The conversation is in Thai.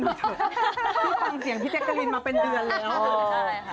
นี่ฟังเสียงพี่แจ๊กกะลินมาเป็นเดือนแล้ว